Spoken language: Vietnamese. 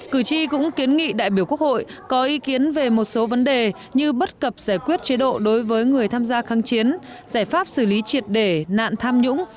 cử tri cũng kiến nghị đại biểu quốc hội có ý kiến về một số vấn đề như bất cập giải quyết chế độ đối với người tham gia kháng chiến giải pháp xử lý triệt để nạn tham nhũng